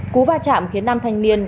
cú va chạm khiến nam thanh niên